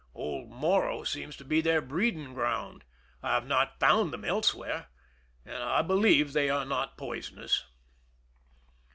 Old Morro seems to be their breeding ground ; I have not found them elsewhere, and I believe they are not poisonous.